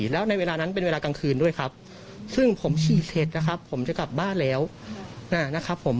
แล้วในเวลานั้นเป็นเวลากลางคืนด้วยครับซึ่งผมขี่เสร็จนะครับผมจะกลับบ้านแล้วนะครับผม